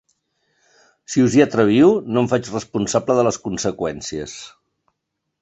Si us hi atreviu, no em faig responsable de les conseqüències.